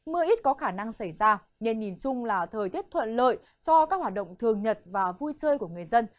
mưa ít có khả năng xảy ra nên nhìn chung là thời tiết thuận lợi cho các hoạt động thường nhật và vui chơi của người dân